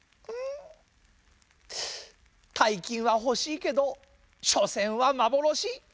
たいきんはほしいけどしょせんはまぼろし。